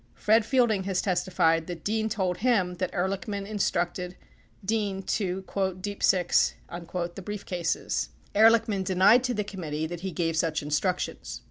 6 Fred Fielding has testified that Dean told him that Ehrlichman instructed Dean to "deep six" the briefcases. 7 Ehrlichman denied to the committee that he gave such instructions.